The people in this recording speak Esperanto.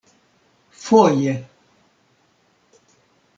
Foje.